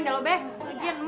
aduh aduh aduh